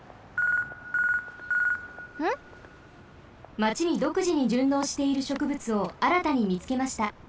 マチにどくじにじゅんのうしているしょくぶつをあらたにみつけました。